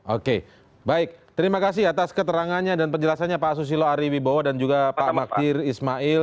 oke baik terima kasih atas keterangannya dan penjelasannya pak susilo ari wibowo dan juga pak magdir ismail